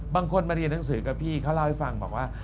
บางคนมาเรียนหนังสือกับพี่เขาเล่าให้ฟังบอกว่า